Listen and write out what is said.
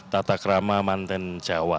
tata kerama mantan jawa